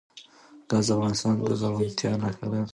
ګاز د افغانستان د زرغونتیا نښه ده.